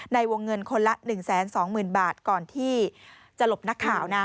ในวงเงินคนละหนึ่งแสนสองหมื่นบาทก่อนที่จะหลบนักข่าวนะ